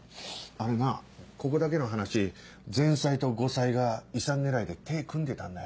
あれなここだけの話前妻と後妻が遺産狙いで手組んでたんだよ。